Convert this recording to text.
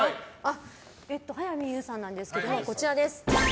早見優さんですが、こちらです。